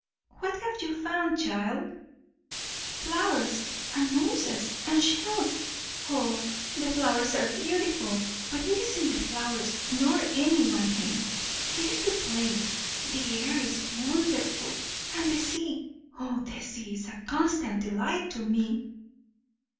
"What have you found, child?" "Flowers and mosses and shells. O, the flowers are beautiful! But it isn't the flowers, nor any one thing; it is the place. The air is wonderful; and the sea, O, the sea is a constant delight to me!"